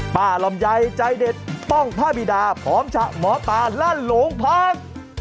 ป้าล่อมใยใจเด็ดป้องภาพีดาผอมฉะหมอตาลั่นหลวงพัก